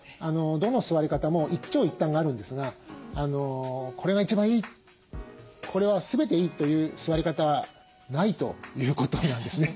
どの座り方も一長一短があるんですがこれが一番いいこれは全ていいという座り方はないということなんですね。